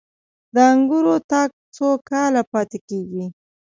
د انګورو تاک څو کاله پاتې کیږي؟